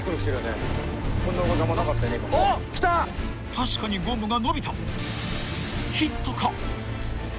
［確かにゴムが伸びた］